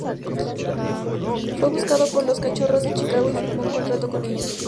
Fue buscado por los Cachorros de Chicago y firmó un contrato con ellos.